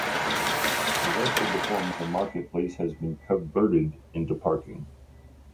The rest of the former market place has been convereted into parking.